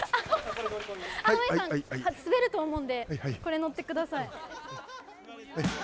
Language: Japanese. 濱家さん、滑ると思うんでこれに乗ってください。